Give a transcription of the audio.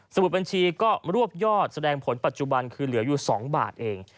มุดบัญชีก็รวบยอดแสดงผลปัจจุบันคือเหลืออยู่๒บาทเอง